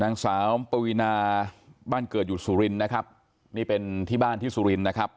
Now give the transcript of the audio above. นางสาวปวีนาบ้านเกิดอยู่สุรินนะครับนี่เป็นที่บ้านที่สุรินนะครับ